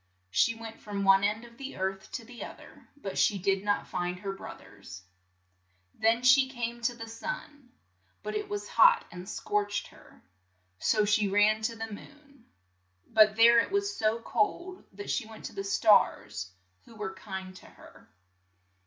She went from one end of the earth to the oth er, but she did not find her broth ers. Then she came to the sun, but it was hot and scorched her, so she ran to the moon. But there it was so cold that she went to the stars, who were kind to her.